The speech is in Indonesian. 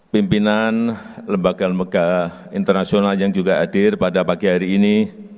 pimpinan lembaga lembaga internasional yang juga hadir pada pagi hari ini